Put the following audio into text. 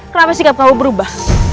kenapa sih gak tahu berubah